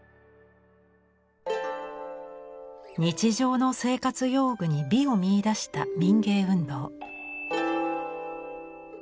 日常の生活用具に美を見いだした民藝運動。